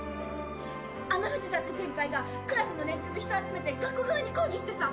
・あの藤田って先輩がクラスの連中と人集めて学校側に抗議してさ。